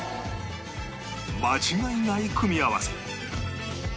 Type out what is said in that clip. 間違いない組み合わせ！